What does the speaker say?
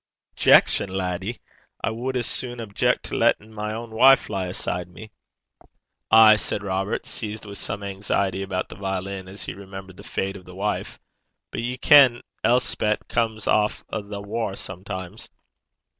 'Objection, laddie? I wad as sune objeck to lattin' my ain wife lie aside me.' 'Ay,' said Robert, seized with some anxiety about the violin as he remembered the fate of the wife, 'but ye ken Elspet comes aff a' the waur sometimes.'